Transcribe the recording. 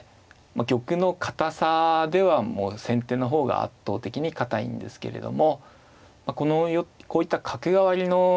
玉の堅さでは先手の方が圧倒的に堅いんですけれどもこういった角換わりの将棋ではですね